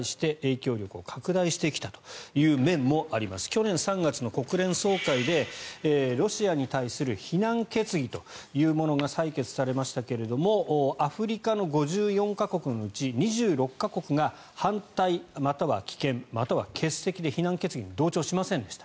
去年３月の国連総会でロシアに対する非難決議というものが採決されましたがアフリカの５４か国のうち２６か国が反対または棄権または欠席で非難決議に同調しませんでした。